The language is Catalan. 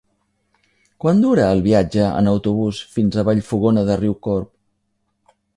Quant dura el viatge en autobús fins a Vallfogona de Riucorb?